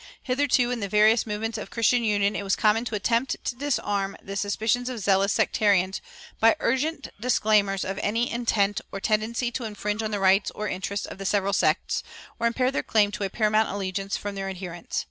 Hitherto, in the various movements of Christian union, it was common to attempt to disarm the suspicions of zealous sectarians by urgent disclaimers of any intent or tendency to infringe on the rights or interests of the several sects, or impair their claim to a paramount allegiance from their adherents.